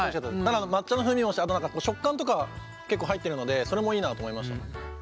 抹茶の風味もしてあと食感とか結構入ってるのでそれもいいなと思いました。